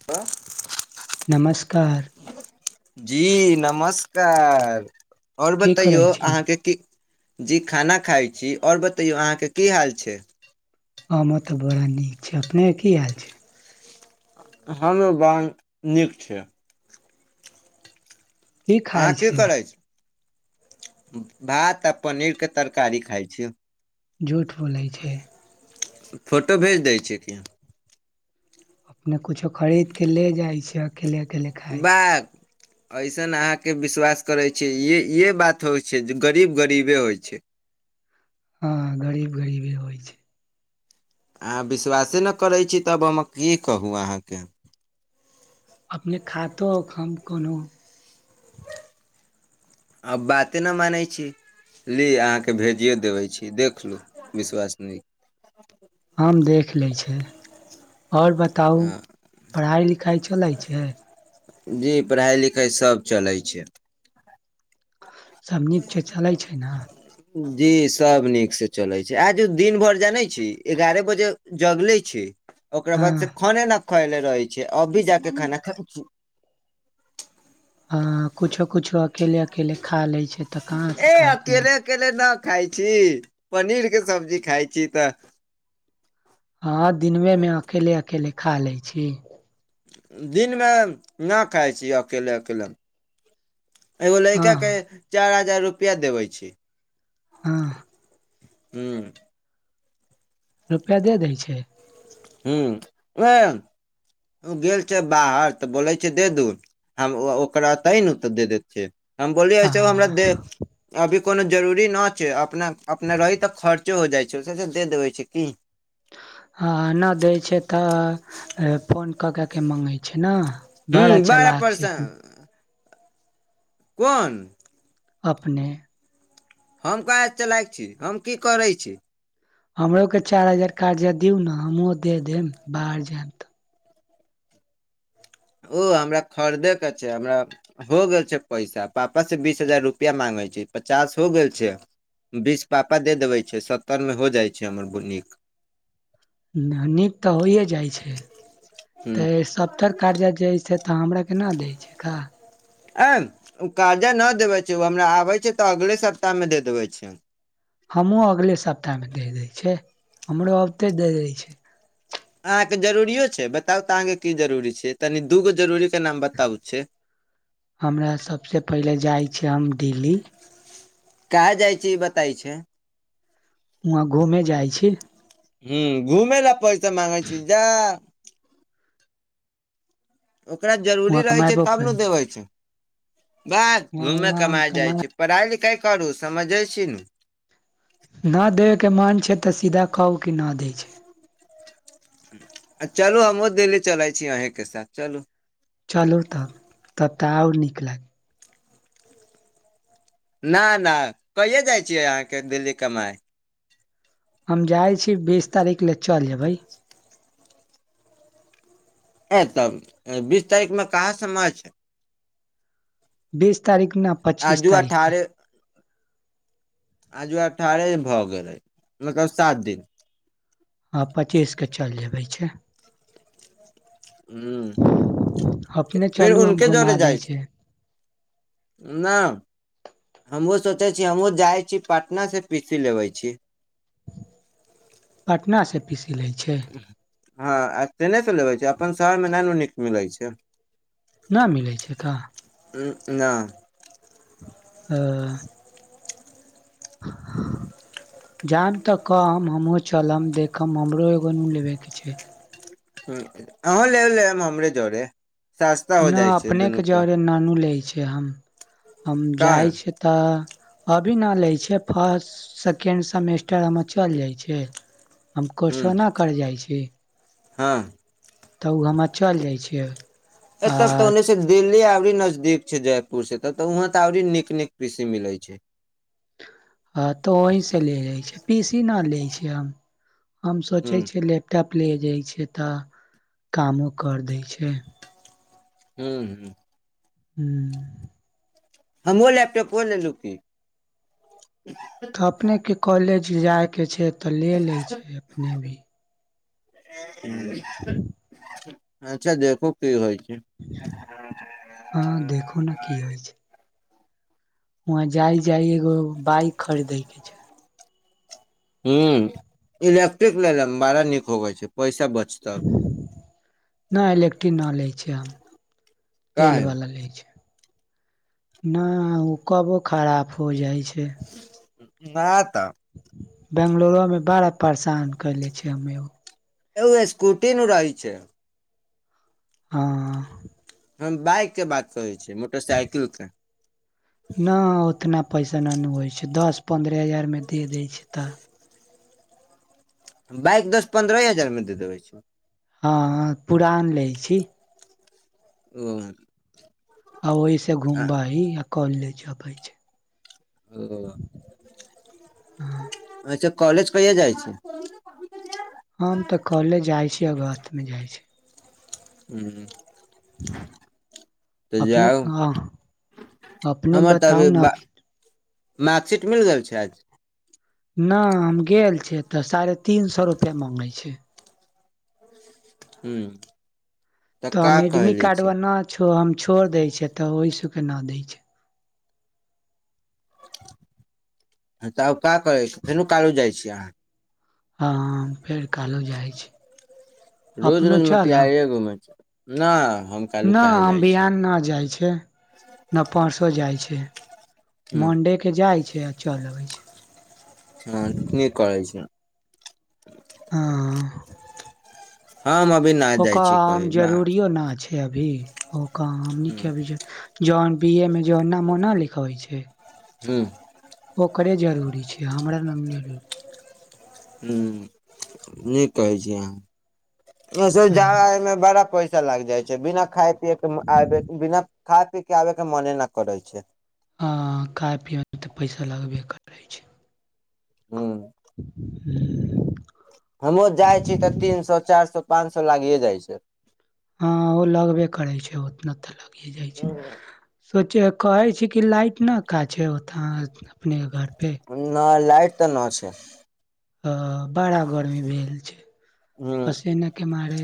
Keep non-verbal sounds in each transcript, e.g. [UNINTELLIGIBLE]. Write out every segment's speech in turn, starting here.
[UNINTELLIGIBLE] नमस्कार जी नमस्कार ओर की बतै करै छी अहाँके की जी खाना खाइ छी और बतैयौ अहाँके की हाल छै हमर तऽ बड़ा नीक छै अपने के की हाल छै हमे ब नीक छै की अहाँ खाय की छै करै छी भात आ पनीर के तरकारी खाय छी झूठ बोलै छै फोटो भेज दै छे कि न कुछो खरीद के ले जाय छै अकेले अकेले खाय छै बाक ऐसन अहाँके विश्वास करैत छी? ई बात होइत छै जे गरीब गरीबे रहि जाइ छै। हँ गरीब गरीबे होइ छै अहाँ विश्वासे न करैत छी तब हम कि कहू अहाँके अपने खातोक हम कोनो आब बाते न मानै छी ली अहाँके भेजियो देबे छी देख लू विश्वास नहि हम देख लै छै और बताउ पढ़ाई लिखाइ चलै छै जी पढ़ाइ लिखाइ सब चलै छै सब नीक छै चलै छै ने जी सब नीक से चलै छै। आज दिन भरि जानै छी एगारह बजे जगले छी ओकरा हँ बाद से खाने न खएले रहै छै अभी जाके खाना खाइ छी हँ कुछो कुछो अकेले अकेले खा लै छै तऽ कहाँसे खायके मोन [UNINTELLIGIBLE] ना खाइ छी पनीर के सब्जी खाय छी तऽ हँ दिनव में अकेले अकेले खा लै छी दिन में ना खाइ छियै अकेले अकेले एगो हँ ल‌इकाके चार हजार रुपैया देबै छी हँ हम्म रुपया दे दै छै हूम्म [UNINTELLIGIBLE] ओ गेल छै बाहर तऽ बोलै छै दे दू हम ओकर अतै नु तऽ दे देत छी हम बोलियै आ ऐसे हमरा दे अभी कोनो जरूरी न छै अपना अपना रही तऽ खर्चो हो जाइ छै ओसे अच्छा दे देबै छै की हँ नहि दै छै तऽ फोन कऽ कऽ के माँगै छै ने हुँ बड़ा चालाक छे परेशान अपने कोन अपने हम कार चलायक छी हम की करै छी हमरोके चारि हजार कर्जा दियु न हमहूँ दे देम बाहर जायब तऽ ओ हमरा खरीदे के छै। हमरा हो गेल छै पैसा पापा से बीस हजार रुपया मांगै छी पचास हो गेल छै बीस पापा दे देबै छै सत्तर मे हो जाइ छै हमर बु नीक नीक तऽ होइए जाइ छै हुँ तऽ सब तर कर्जा जे हइ से तऽ हमरा के ना दै छै का आय ओ कर्जा न देबै छै ओ हमरा आबै छै तऽ अगले सप्ताह में देखने देबै छै हमहुं अगले सप्ताह मे दे दै छै हमरो अबते दे दै छै अहाँके जरूरियो छै, बताउ तऽ अहाँके की जरूरी छै? तनि दू गो जरूरीक नाम बताउ छै। हमरा सभसँ पहिले जाइ छी हम दिल्ली कहाँ जाइ छी ई बताय छै वहां घूमे जाइ छी ह्म घूमे ला पैसा माँगै छी जा ओकरा जरूरी वहाँ रहै छै कमेबो तब ने करै छी देबै छै [UNINTELLIGIBLE] वहाँ घूमे वहाँ हम कमााय कमा जाइ छै पढ़ाई लिखाइ करू समझै छी नु न देैके मन छै तऽ सीधा कहू कि नहि दै छै आ चलू हमहुो दिल्ली चलइ छी अहींके साथ चलू चलू तब तब तऽ आर नीक लागत ना ना कहिया जाइ छियै अहाँके दिल्ली कमाइ हम जाइ छी बीस तारीख लए चलि जेबै ए तऽ बीस तारीखमे कहाँ समा छै? बीस तारीख नऽ पच्चीस आजू तारीखके आजु आठ दिन भऽ गेलै, मतलब सात दिन। हँ पचीस के चलि जेबै छै। ह अपने फेर चलू हम उनके घुमा दै छै नहि हमहहुँ सोचे छिय हमहहुँ जाइ छी पटना से पी सी लेबे छी पटना से पी सी लै छै हँ आ ट्रेने च लेबे छै अपन शहर मे नहि नीक मिलैत छै नहि मिलै छै का ह नहि ओ ह ह जानि तऽ कहब, हमहूँ चलब। देखब, हमरा सेहो एगो नून लेबाक छै। अहूँ ले लेब हमरे जरे सस्ता हो जाइ छै दुनू के ना नु लै छै हम हम का है जाई छै तऽ अभी न लै छिय फर्स्ट सेकेण्ड सेमेस्टर हम चलि जाइ छै हम ह क्वेश्चनो कर जाइ छी हँ त ओ हमर चल जाइ छियै ए तऽ ओहि सँ। दिल्ली औरी नजदीक छै जयपुर से त त वहां त औरी नीक नीक पीसी मिलै छै हां त वहीं से ले जाय छै पीसी न लै छी हम हम ह सोचे छी लैपटॉप ले जाइ छै तऽ कामो कर दै छै हू हूँ हूँ हमहु लैपटॉपो लेलहु की अपनेके कॉलेज जाइके छै तऽ ले लै छै अपने भी हं अच्छा देखू की होइ छै हँ देखू ने की होइ छै वहां जाइ जाइ एगो बाइक खरीदे के छै हं इलेक्ट्रिक लै ला बड़ा नीक होवै छै पैसा बचत नहि इलेक्ट्रिक न लै छै आ काहे तेलवला लै छै। नहि ओ कबो खराब हो जाइ छै नहि तऽ बंगलोरोमे बड़ा परेशान कले छै [UNINTELLIGIBLE] ए ओ स्कूटी नु रहै छै हँ हम बाइक के बात करे छी मोटरसाइकिल के [INAUDIBLE] नहि उतना पैसा नहि ने होइ छै दस पन्द्रह हजारमे दे दै छै तऽ बाइक दस-पन्द्रह हजारमे दे दे रहै छै। हँ पुरान लै छी ओ आ ओहि सँ आ घुमबऽ आ कऽ लेबै छै। ओ हँ अच्छा कॉलेज कहिया जाइ छै हम तऽ कॉलेज जाइ छी अगस्त में जाइ छी हू तऽ अपने जाउ हँ अपने हमर बताउ तऽभी ने ब मार्कशीट मिल गेल छै आज नहि हम गेल छियै तऽ साढ़े तीन सए रुपया माँगै छै हूँ तऽ हम एडमिट कार्डव नहि छो हम छोड़ि दै छियै तऽ ओहिसके नहि दै छै तऽ आब का करै छी फेन कालू जाइ छीय अहाँ हँ फेर कलो जाइ छी अपनो चल [UNINTELLIGIBLE] [UNINTELLIGIBLE] नहि न बिहान न जाइ छै न परसो जाइ छै हूं मंडे के जाइ छै आ चल अबै छै हँ की करै छै हँ हम अभी न ओक जाइ छी आम कही बा जरूरो न छै अभी ओक आम न ह्म के अभी जौन बी ए मे जन नामो नहि लिख होइ छै हूं ओकरे जरुरी छै हमरा न जरूरी छै ह न कहै छी अहाँ हँ जादायमे बड़ा पैसा लागि जाइ छै बिना खाद्यान्न पियएके आ बिना खा पीके आबे के मने न करै छै आ खाय पीअत पैसा लागत ह [INAUDIBLE] हमों जाइ छी तऽ तीन सए चारि सए पांच सए लागिए जाइ छै ह, ओ लगबे करे छै। उतना ते जाइ छै। सोचे कहै छै। कि लाइट कितना काँचे होता हँ अपने घर पे [UNINTELLIGIBLE] न, लाइट तऽ न छै। बड़ा गर्मी भेल छै। पसीनाे के मारे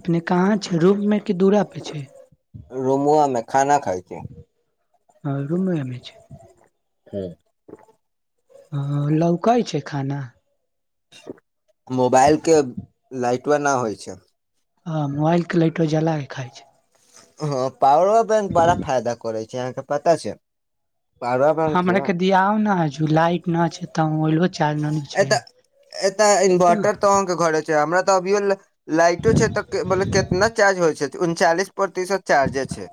अपने कहाँ छै? रूप मे कि दूरा पे छै रुमुआमे खाना खाय छै हँ, रूममे छै। हूँ ह, लौका छै खाना? मोबाइलके लाइटो न होइ छै। आ मोबाइलके लाइटो जलाके खाइ छै। हँ, पावरो बैंक बड़ा फायदा करै छै अहाँके पता छै। पावर बैंक दियाउ ने लाइट न छै त एतऽ एता इन्वर्टर तऽ अहाँके घरे हमरा तऽ अभियो लाइटो छै। त कितना चार्ज होय छै। उनचालिस प्रतिशत। चार्ज छै।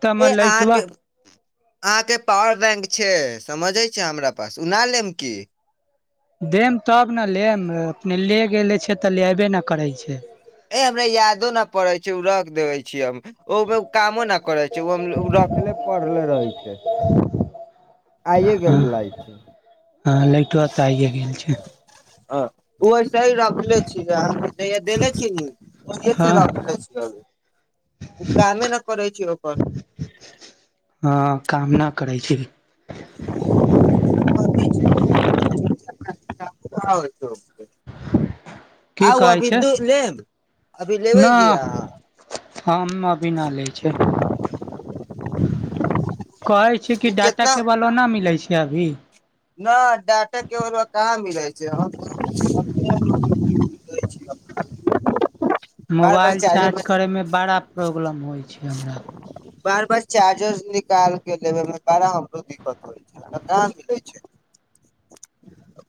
तऽ हमर लाइटबा अहाँकेँ अहाँकेँ पावर बैंक छै। समझे छै, हमरा पास नहि लेब की? देम तब ने लेम अपने ले गेले छै तऽ ले अबे ने करै छै। ए हमरा यादो न पड़ै छै। ओ रख देबे छियै हम। ओमे कामो न करे छै। ओ रखले पड़ले रहै छै। आइए गेल हँ लाइट हँ लाइटबा तऽ आइये गेल छै आ। उवैसे ही रखले छिय। देले छियेनु ओहिसे हँ रखले छिय कामे न करै छै ओकर। हँ, काम नहि करै छी? छै [UNINTELLIGIBLE] आओत [UNINTELLIGIBLE] की आउ, कहै अभी छै दू लेब अभी लेबै न जी अहाँ? हम। बिना लै छै कहै छै कि डाटा कितना केबल। न मिलै छै अभी? नहि डाटा केबल कहाँ मिलै छै। बार बार मोबाइल चार्जर चार्ज में करयमे बड़ा प्रॉब्लम होइ छै। हमरा बार बार चार्जर निकालके लेबेमे बारा हमरो दिक्कत हो छै।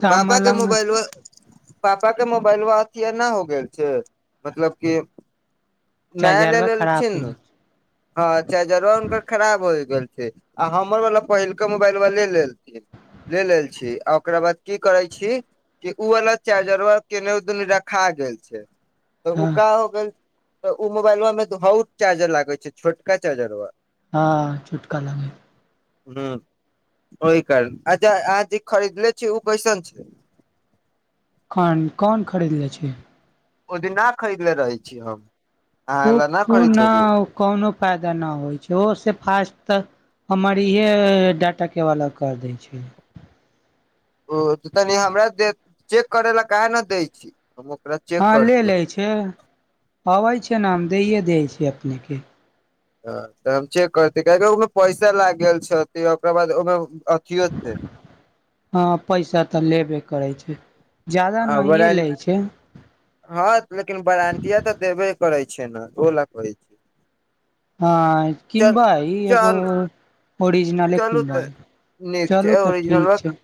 तऽ हमर पापाके लग मोबाइल पापाके मोबाइल वा अथी एना हो गेल छै। मतलब की नाय चार्जरवा लेल खराब छी हो नु। गेल ह, चार्जरा हुनकर खराब हो गेल छै। आ हमर वला पहिलका मोबाइल ले लेलथिन। लेल छी आ ओकरा बाद की करै छी। के उ वाला चार्जबा केने रखा गेल छै, तऽ हँ ओका हो गेल तऽ ओ मोबाइलवा मे हऽउ चार्जर लागे छै छोटका चार्जरबा। हँ। चुटका लागे हू ओहि कारण आ अहाँ जे खरीदले छी ओ कैसन छै? केहन कोन खरीदले छी? ओहि दिन ना खरीदले रहै छी हम? अहाँ ल पुकु खरीद न लेलियै [UNINTELLIGIBLE] कोनो फायदा न होइ छै ओ से फास्ट तऽ हमर इहे डाटा वला कर दै छै। ओ तऽ कनि हमरा दऽ चेक करऽ लेल, काहे नहि दै छी हम ओकरा? चेक हँ, लऽ करती लै छै, अबैत छै ने। हम दैए दै छी अपनेके। तऽ हम चेक करिते, काहेकि ओहिमे पैसा लागि गेल छै, ओकरा बाद ओहिमे अथियो छै। हँ पैसा तऽ लेबे करैत छै जादा नहिए वारंट लैत छै हँ लेकिन बारातिया तऽ देबे करै छै ने ओहो ला कहै छै हँ कीनबइ एगो चल ओरिजिनले चलू तऽ कीनबइ नीक छै चलू तऽ ओरिजिनलवा ठीक छै